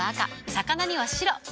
魚には白。